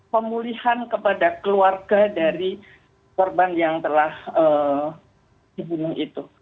pemulihan kepada keluarga dari korban yang telah dibunuh itu